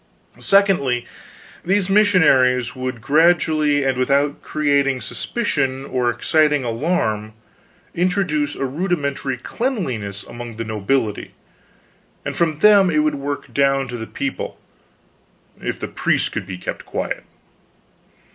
Secondly, these missionaries would gradually, and without creating suspicion or exciting alarm, introduce a rudimentary cleanliness among the nobility, and from them it would work down to the people, if the priests could be kept quiet.